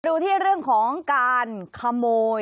ดูที่เรื่องของการขโมย